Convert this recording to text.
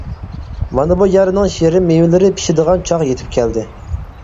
مانا بۇ يەرنىڭ شېرىن مېۋىلىرى پىشىدىغان چاغ يېتىپ كەلدى.